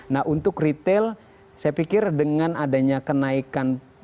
nah untuk retail saya pikir dengan adanya kenaikan